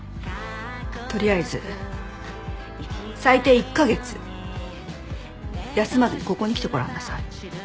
とりあえず最低１カ月休まずにここに来てごらんなさい。